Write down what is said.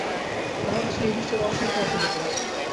আমার কিছু নির্দিষ্ট রঙ চিনতে অসুবিধা হয়।